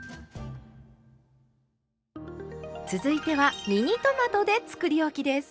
続いてはミニトマトでつくりおきです。